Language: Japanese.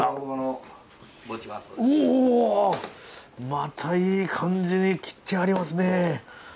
またいい感じに切ってありますね。